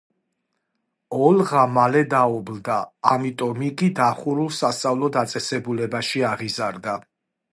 ოლღა მალე დაობლდა, ამიტომ იგი დახურულ სასწავლო დაწესებულებაში აღიზარდა.